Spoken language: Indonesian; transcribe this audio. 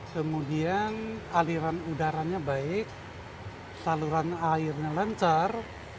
kemudian aliran udaranya baik saluran airnya lancar